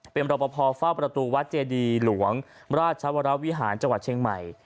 เป็นรอปภเฝ้าประตูวัดเจดีหลวงราชวรวิหารจังหวัดเชียงใหม่